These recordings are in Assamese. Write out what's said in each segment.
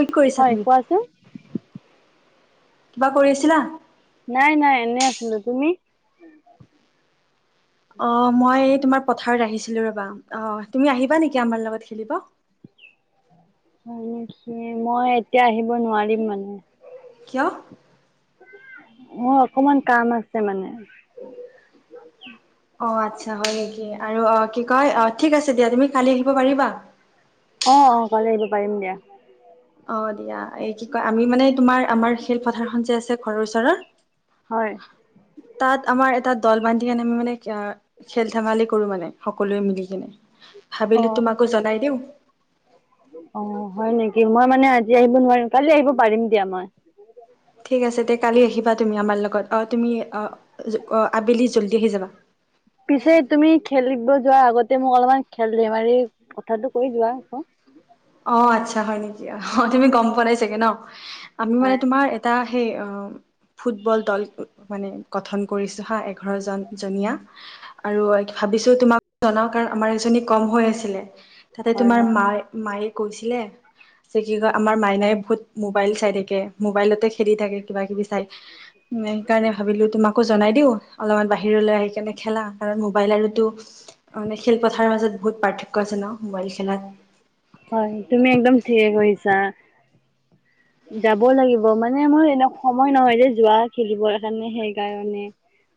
কি কৰিছা হয় তুমি? কোৱাচোন কিবা কৰি আছিলা? নাই, নাই এনে আছিলো। তুমি? অ, মই এই তোমাৰ পথাৰত আহিছিলো ৰবা অ, তুমি আহিবা নেকি, আমাৰ লগত খেলিব? হয় নেকি, মই এতিয়া আহিব নোৱাৰিম মানে। কিয়? মোৰ, অকন মান কাম আছে মানে। অ, আচ্ছা হয় নেকি আৰু অ, কি কয় অ, ঠিক আছে দিয়া তুমি কালি আহিব পাৰিবা? অ, অ, কালি আহিব পাৰিম দিয়া। অ', দিয়া এই কি কয় আমি মানে তোমাৰ আমাৰ খেলপথাৰ খন যে আছে ঘৰৰ ওচৰৰ হয়। তাত আমাৰ এটা দল বান্ধি কেনেই আমি মানে খেল ধেমালি কৰো মানে। সকলোৱেই মিলি কিনে অ ভাবিলোঁ তোমাকো জনাই দিওঁ। অ হয় নেকি মই মানে আজি আহিব নোৱাৰিম কালি আহিব পাৰিম দিয়া মই ঠিক আছে তে কালি আহিবা তুমি আমাৰ লগত অ', তুমি অ', জ অ', আবেলি জল্দি আহি যাবা। পিছে তুমি খেলিব যোৱাৰ আগতে মোক অলপমান খেল ধেমালি কথাটো কৈ যোৱা আকৌ অ', আচ্ছা হয় নেকি অ', তুমি গম পোৱা নাই চাগে ন আমি মানে হয় তোমাৰ এটা সেই অ ফুটবল দল মানে গঠন কৰিছোঁ হা এঘাৰ জন জনীয়া আৰু ভাবিছোঁ তোমাক জনাওক কাৰণ আমাৰ এজনী কম হয় আছিলে। তাতে হয় তোমাৰ হয় মাঁ মায়েঁ কৈছিলে যে কি কয় আমাৰ মাইনাই বহুত মোবাইল চাই থাকে মোবাইলতে খেলি থাকে কিবা কিবি চাই সেইকাৰণে ভাবিলোঁ তোমাকো জনাই দিওঁ অলপমান বাহিৰলৈ আহি কেনে খেলা কাৰণ মোবাইল আৰু তো মানে খেল পথাৰৰ মাজত বহুত পাৰ্থক্য আছে ন মোবাইল খেলাত হয় তুমি একদম ঠিকে কৰিছা। [unintelligible] যাব লাগিব মানে মোৰ এনে সময় নহয় যে যোৱা খেলিবৰ কাৰণে সেইকাৰণে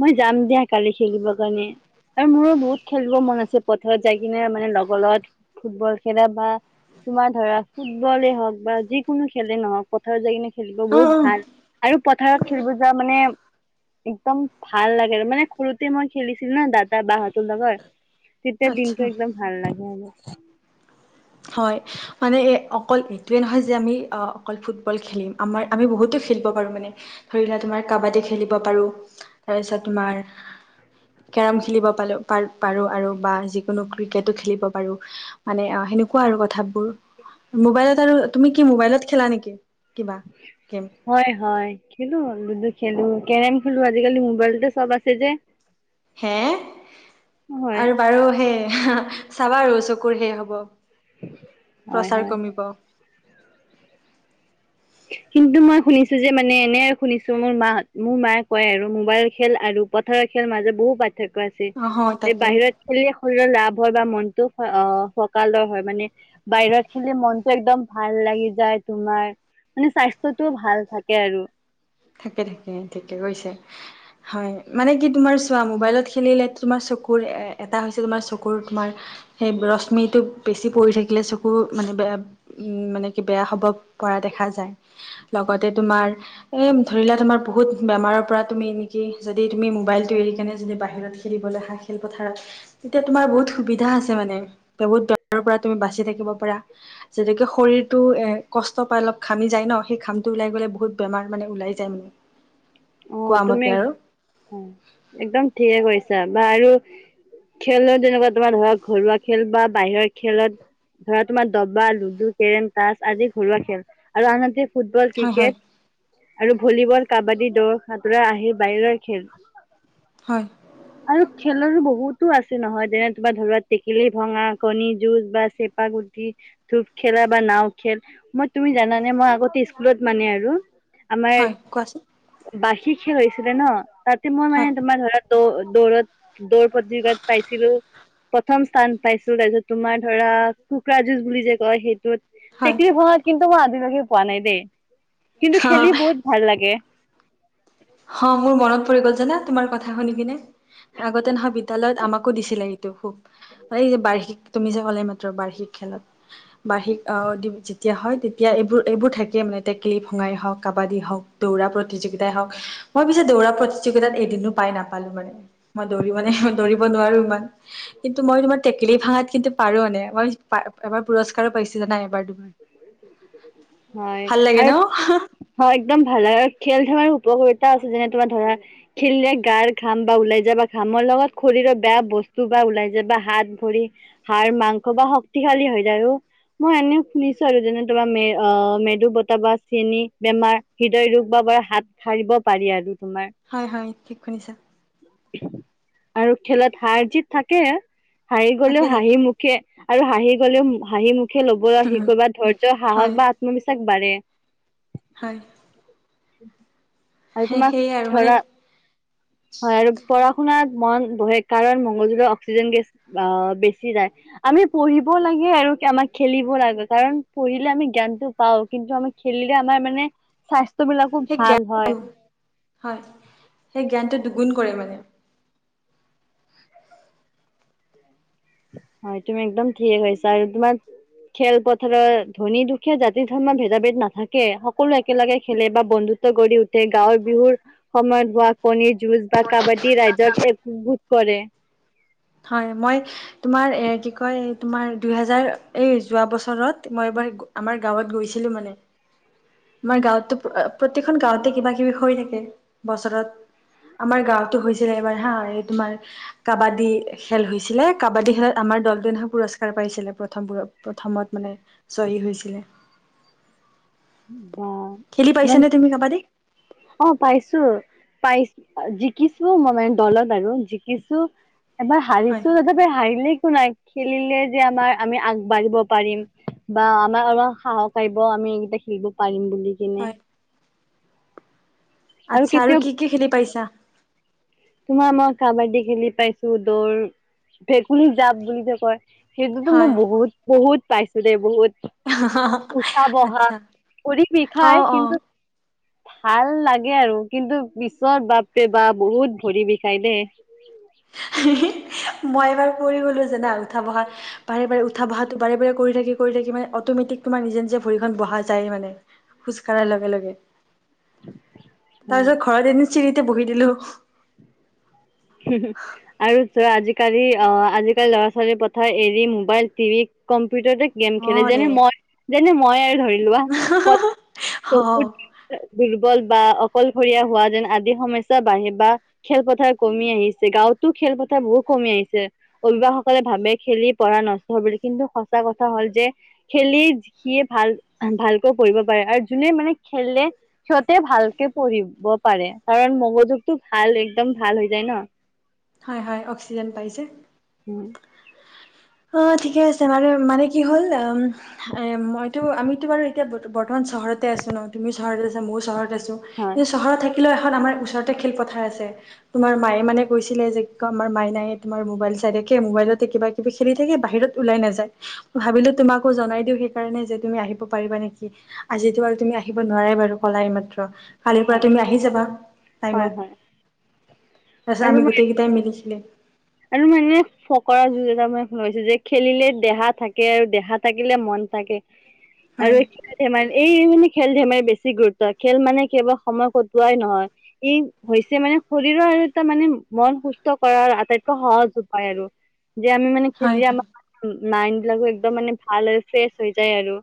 মই যাম দিয়া কালি খেলিবৰ কাৰণে। আৰু মোৰো বহুত খেলিব মন আছে পথাৰত যাই কিনে মানে লগৰ লগত ফুটবল খেলা বা তোমাৰ ধৰা ফুটবলে হওক বা যিকোনো খেলে নহওক পথাৰ যাই কিনে খেলিব অ বহুত অ ভাল আৰু পথাৰত খেলিব যোৱা মানে একদম ভাল লাগে আৰু মানে সৰুতে মই খেলিছিলো ন দাদা বা' হতৰ লগত তেতিয়া দিনটো আচ্ছা একদম ভাল লাগে মানে। হয়। মানে এই অকল এইটোৱেই নহয় যে আমি অকল ফুটবল খেলিম আমাৰ আমি বহুতো খেলিব পাৰোঁ মানে। ধৰি লোৱা তোমাৰ কাবাডী খেলিব পাৰো তাৰপিছত তোমাৰ কেৰম খেলিব পালোঁ আৰু বা পাৰোঁ আৰু বা যিকোনো ক্ৰিকেটো খেলিব পাৰোঁ। মানে অ' সেনেকু কোৱা আৰু কথাবোৰ মোবাইলত আৰু তুমি কি মোবাইলত খেলা নেকি কিবা গেম? হয় হয় খেলোঁ লুডু খেলোঁ কেৰম খেলোঁ আজি কালি মোবাইলতে চব আছে যে। হে হয়। আৰু বাৰু সেই চাবা আৰু চকুৰ হেৰি হ'ব। হয় প্ৰচাৰ হয় কমিব। কিন্তু মই শুনিছোঁ যে মানে এনে শুনিছোঁ মোৰ মা' মোৰ মায়ে কয় আৰু মোবাইল খেল আৰু পথাৰত খেলৰ মাজত বহু পাৰ্থক্য আছে অ হয়, যে তাকে বাহিৰত খেলিলে শৰীৰৰ লাভ হয় বা মনতটো অ', ফৰকালৰ হয় মানে বাহিৰত খেলি মনটো একদম ভাল লাগি যায় তোমাৰ মানে স্বাস্থ্যটো ভাল থাকে আৰু। থাকে থাকে ঠিকে কৈছে। হয় মানে কি তোমাৰ চোৱা মোবাইলত খেলিলে তোমাৰ চকুৰ এটা হৈছে তোমাৰ চকুৰ তোমাৰ সেই ৰশ্মিটো বেছি পৰি থাকিলে চকু মানে বেয়া উম মানে কি বেয়া হ'ব পৰা দেখা যায় লগতে তোমাৰ এই ধৰি লোৱা তোমাৰ বহুত বেমাৰৰ পৰা তুমি এনেকি যদি তুমি মোবাইলটো এৰি কেনে যদি বাহিৰত খেলিবলৈ হা খেল পথাৰত। এতিয়া তোমাৰ বহুত সুবিধা আছে মানে বহুত বেমাৰৰ পৰা তুমি বাচি থাকিব পাৰা। যেনেকে শৰীৰটোৱে কষ্ট পাই ঘামি যায় ন, সেই ঘামটো ওলাই গ'লে বহুত বেমাৰ মানে উলাই যায় মানে। অঁ কোৱা মতে তুমি আৰু একদম ঠিকে কৰিছা বা আৰু খেলত যেনেকুৱা তোমাৰ ধৰক ঘৰুৱা খেল বাহিৰৰ খেলত ধৰা তোমাৰ দবা, লুডু, কেৰম, তাচ আদি ঘৰুৱা খেল আৰু আনহাতে ফুটবল, হয় হয় ক্ৰিকেট আৰু ভলীবল, কাবাডী, দৌৰ, সতোৰা আহি বাহিৰৰ খেল। হয়। আৰু খেলৰো বহুতো আছে নহয় যেনে তোমাৰ ধৰা টেকেলি ভঙা, কণী যুঁজ বা চেপা গুটি ধূপ খেলা বা নাও খেল মই তুমি জানানে মই আগতে স্কুলত মানে আৰু হয়, কোৱাচোন? আমাৰ বাৰ্ষিক খেল হৈছিলে ন তাতে মই ফা মানে ধৰা দ দৌৰত দৌৰ প্ৰতিযোগীতাত পাইছিলো। প্ৰথম স্থান পাইছো, তাৰপিছত তোমাৰ ধৰা কুকুৰা যুঁজ বুলি যে কয় সেইটোত হয়, টেকেলি ভাঙাত কিন্তু মই আজিলৈকে পোৱা নাই দেই, কিন্তু খেলি অ', বহুত ভাল লাগে। অ মোৰ মনত পৰি গ'ল জানা তোমাৰ কথা শুনি কিনে। আগতে নহয় বিদ্যালয়ত আমাকো দিছিলে এইটো খুব, এই যে বাৰ্ষিক তুমি যে ক'লা এইমাত্ৰ বাৰ্ষিক খেলত। বাৰ্ষিক আহ যেতিয়া হয় তেতিয়া এইবোৰ এইবোৰ থাকে মানে টেকেলি ভঙাই হওক কাবাডী হওক। দৌৰা প্ৰতিযোগিতাই হওক, মই পিছে দৌৰা প্ৰতিযোগিতাত এদিনো পাই নাপালো মানে। মই দৌৰি ম নে দৌৰিব নোৱাৰো ইমান! কিন্তু মই তোমাৰ টেকেলি ভাঙাত কিন্তু পাৰো মানে, মই এবাৰ পুৰস্কাৰো পাইছো জানাই এবাৰ তমি উম। হয় আৰু হয় একদম ভাল আৰু খেল খেলাৰ উপকাৰিতাও আছে যেনে তোমাৰ ধৰা খেলিলে গাৰ ঘাম বা ওলাই যাব বা ঘামৰ লগত শৰীৰৰ বেয়া বস্তু বা ওলাই যাবা হাত ভৰি হাড়, মাংস বা শক্তিশালী হৈ যায় আৰু, মই এনে শুনিছো যেনে তোমাৰ মে মেদু বতাহ বা চেনি বেমাৰ হৃদয় ৰোগ বা বাৰ হাত সাৰিব পাৰি আৰু তোমাৰ। হয় হয় ঠিক শুনিছা। আৰু খেলত হাৰ জিত থাকে, হাৰি থাকে গ'লেও থাকে হাঁহি মুখ খে আৰু হাঁহি গ'লেও হাঁহি মুখে ল'বলৈ শিকিবা ধৈৰ্যৰ হয় সাহস বা আত্মবিশ্বাস বাঢ়ে। হয়। আৰু সেই তোমাক সেয়াই আৰু মানে ধৰা হয় আৰু পঢ়া শুনাত মন বহে কাৰণ মগজুলৈ অক্সিজেন গেছ অ বেছি যায়। আমি পঢ়িব লাগে আৰু আমাক খেলিব লাগে, কাৰণ পঢ়িলে আমি জ্ঞানটো পাওঁ কিন্তু আমি খেলিলে আমাৰ মানে স্বাস্থ্য বিলাকো সেই ভাল জ্ঞানটো হয়। হয় সেই জ্ঞানটো দুগুণ কৰে মানে! হয় তুমি একদম ঠিকে কৈছা, আৰু তোমাৰ খেল পথাৰৰ ধনী দুখীয়া জাতি ধৰ্মৰ ভেদা ভেদ নাথাকে সকলো একেলগে খেলে বা বন্ধু গঢ়ি উঠে, গাঁৱৰ বিহুৰ সময়ত হোৱা কণীৰ যুঁজ বা কাবা্ডীয়ে ৰাইজক একগোট কৰে। হয় মই তোমাৰ এ কি কয় তোমাৰ দুহেজাৰ এই যোৱা বছৰত মই এবাৰ আমাৰ গাঁৱত গৈছিলো মানে। আমাৰ গাঁৱতো প্ৰতিখন গাঁওঁতে কিবা কিবি হৈ থাকে বছৰত। আমাৰ গাঁওতো হৈছিলে এবাৰ হা এই তোমাৰ কাবাডী খেল হৈছিলে কাবাডী খেলত আমাৰ দলটোৱে নহয় পুৰস্কাৰ পাইছিলে প্ৰথম পোৰত প্ৰথমত মানে জয়ী হৈছিলে বা খেলি ইমান পাইছেনে তুমি কাবাডী? অ পাইছো পাইছো জিকিছো মই মানে দলদ আৰু জিকিছো এবাৰ হয় হাৰিছো [unintelligible] হাৰিলে একো নাই খেলিলে যে আমাৰ আমি আগবাঢ়িব পাৰিম বা আমাৰ সাহস পাৰিব আমি এইকেইটা খেলিব পাৰিম বুলি কিনে হয়। আচ্ছা আৰু কি কি খেলি পাইছা? তোমাৰ মই কাবাডী খেলি পাইছো দৌৰ ভেকুলী জাপ বুলি যে কয় সেইটোতো মই হয় বহুত বহুত পাইছো দে বহুত উঠা বহা আচ্ছা ভৰি অ বিষাই অ কিন্তু ভাল লাগে আৰু কিন্তু পিছত বাপৰে বাপ বহুত ভৰি বিষাই দে হি হি মই এবাৰ পৰি গলো জানা উঠা বহা বাৰে বাৰে উঠা বহাটো বাৰে বাৰে কৰি থাকি কৰি থাকি মানে অট'মেটিক তোমাৰ নিজে নিজে ভৰিখন বহা যায় মানে খোজ কঢ়াৰ লগে লগে তাৰপিছত ঘৰত এদিন চিৰিতে বহি দিলো [inaudible] হু হু আৰু চোৱা আজি-কালি অ আজি-কালি ল'ৰা-ছোৱালী পথা মোবাইল, টিভি, কম্পিউটাৰতে গেম অ খেলে যেনে ৰে মই যেনে মই আৰু ধৰি লোৱা অ [unintelligible] দুৰ্বল বা অকলশৰীয়া হোৱা যেন আদি সমস্যা বাঢ়ে বা খেলপথাৰ কমি আহিছে গাঁৱতো খেলপথাৰ বহুত কমি আহিছে অভিভাৱকসকলে ভাবে খেলি পঢ়া নষ্ট হব কিন্তু সঁচা কথা হ'ল যে খেলি সিয়ে ভাল ভালকৈ কৰিব পাৰে আৰু যোনে মানে খেলে সিহঁতে ভালকে পঢ়িব পাৰে কাৰণ মগজুটো ভাল একদম ভাল হৈ যায় ন। হয় হয় অক্সিজেন পাই যে। উম অ ঠিকে আছে মানে মানে কি হ'ল উম এ মইতো আমিতো বাৰু এতিয়া বৰ্তমান চহৰতে আছো ন তুমি চহৰতে আছা মইয়ো চহৰত আছো হয় কিন্তু চহৰত থাকিলেও এখন আমাৰ ওচৰতে খেলপথাৰ আছে। তোমাৰ মায়ে মানে কৈছিলে যে ক আমাৰ মাইনাই তোমাৰ মবাইল চাই থাকে মোবাইলতে কিবা কিবি খেলি থাকে বাহিৰত ওলাই নাযায় ভাবিলো তোমাকো জনাই দিও সেইকাৰণে যে তুমি আহিব পাৰিবা নেকি। আজিতো আৰু তুমি আহিব নোৱাৰাই বাৰু কলা এই মাত্ৰ। কালিৰ পৰা তুমি আহি যাবা হয় টাইমত হয় তাৰপিছত আৰু আমি মই গোটেইকেইটাই মিলি খেলিম। আৰু মানে ফকৰা-যোজনা [unintelligible] যে খেলিলে দেহা থাকে আৰু দেহা থাকিলে মন থাকে। [inaudible] আৰু খেল ধেমালি এই মানে খেল ধেমালি বেছি গুৰুত্ব খেল মানে কেৱল সময় কটোৱাই নহয় ই হৈছে মানে শৰীৰৰ আৰু এটা মানে মন সুস্থ কৰাৰ আটাইত [unintelligible] আৰু যে আমি মানে হয় খেলি হয় আমাৰ মাইণ্ড বিলাকো একদম মানে ভাল হৈ ফ্ৰেছ হৈ যায় আৰু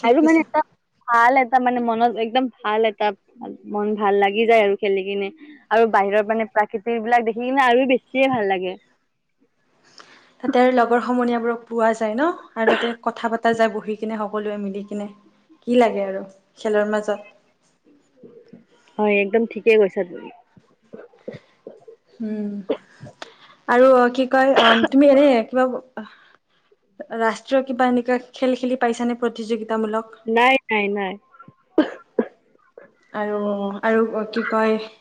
ঠিক আৰু মানে কৈছা এটা ভাল এটা মানে মনত একদম ভাল এটা মন ভাল লাগি যায় আৰু খেলি কিনে আৰু বাহিৰৰ মানে প্ৰাকৃতিৰ বিলাক দেখি কিনে আৰু বেছি বেছিয়ে ভাল লাগে। তাতে লগৰ সমনীয়াবোৰক পোৱা যায় ন আৰু তাতে কথা পতা যায় বহি কিনে সকলোৱে মিলি কিনে। কি লাগে আৰু খেলৰ মাজত। হয় একদম ঠিকে কৈছা তুমি। উম আৰু কি কয় তুমি এনে কিবা ৰাষ্ট্ৰীয় কিবা এনেকুৱা খেল খেলি পাইছা নে প্ৰতিযোগিতামূলক? নাই নাই নাই। আৰু আৰু কি কয়?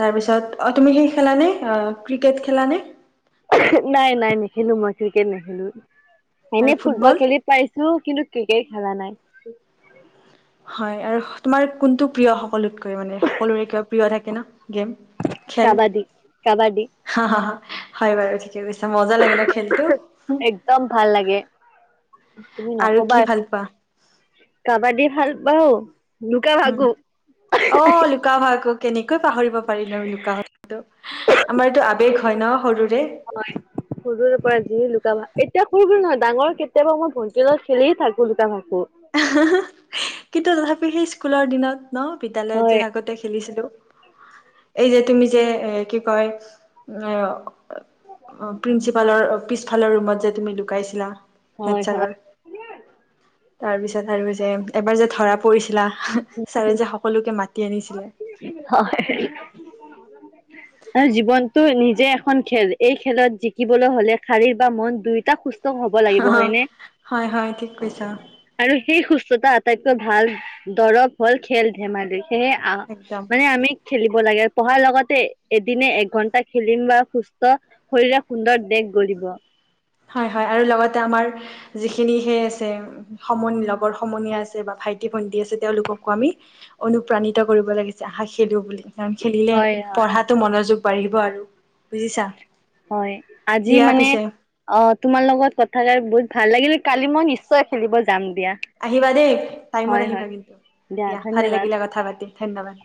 তাৰপিছত অ' তুমি সেই খেলানে ক্ৰিকেট খেলা নে নাই নাই নেখেলো মই ক্ৰিকেট নেখেলো এনে ফুটবল খেলি পাইছোঁ কিন্তু ক্ৰিকেট খেলা নাই। হয় আৰু তোমাৰ কোনটো প্ৰিয় সকলোতকৈ মানে সকলোৰে কিবা প্ৰিয় থাকে ন, গেম খেল কাবাডী কাবাডী হা হা, হয় বাৰু ঠিকে কৈছা। মজা লাগে ন খেলটো। একদম ভাল লাগে তুমি আৰু কি নকবাই, ভাল পোৱা? কাবাডী ভাল পাওঁ। উম অহ লুক লুকা ভাকো কেনেকৈ পাহৰিব পাৰিমনো লুকা ভাকোটো। আমাৰ এইটো আৱেগ হয় ন সৰুৰে। হয় সৰুৰে পৰা যি লুকা ভা, এতিয়া সৰু নহয় ডাঙৰ কেতিয়াবা মই ভণ্টিৰ লগত খেলি থাকো লুকা ভাকো। কিন্তু তথাপি সেই স্কুলৰ দিনত ন বিদ্যালয় যে হয় আগতে খেলিছিলো এই যে তুমি যে এ কি কয়? প্ৰিন্সিপালৰ পিছফালৰ ৰুমত যে তুমি লুকাইছিলা। হয় হয় হেডচাৰৰ তাৰ পিছত আৰু যে এবাৰ যে ধৰা পৰিছিলা ছাৰে যে সকলোকে মাতি আনিছিলে। হয় [inaudible] আৰু জীৱনটো নিজেই এখন খেল এই খেলত জিকিবলৈ হলে শাৰিৰীক বা মন দুয়োটা সুস্ ত হ'ব লাগিব হয় নে? হয় হয় ঠিক কৈছা আৰু সেই সুস্থতা আটাইতকৈ ভাল দৰৱ হ'ল খেল ধেমালি সেয়ে একদম। মানে আমি খেলিব লাগে পঢ়াৰ লগতে এদিনে এঘন্টা খেলিম বা সুস্থ শৰীৰৰে সুন্দৰ দেশ গঢ়িব। হয় হয় আৰু লগতে আমাৰ যিখিনি সেই আছে সমন লগৰ সমনীয়া আছে বা ভাইটি ভন্টি আছে তেওঁলোককো আমি অনুপ্ৰাণিত কৰিব লাগিছে আহা খেলো বুলি। কাৰণ খেলিলে হয় হয় পঢ়াতো মনোযোগ বাঢ়িব আৰু বুজিছা হয় আজি দিয়া মানে পিছে অ' তোমাৰ লগত কথা কাৰ বহুত ভাল লাগিল। কালি মই নিশ্চয় খেলিব যাম দিয়া। আহিবা দেই টাইমত হয় আহিবা হয় কিন্তু দিয়া ভাল লাগিলে কথা পাতি ধন্যবাদ।